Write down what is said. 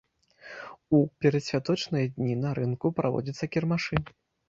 У перадсвяточныя дні на рынку праводзяцца кірмашы.